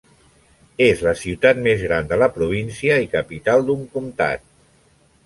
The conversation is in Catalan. És la ciutat més gran de la província i capital d'un comtat.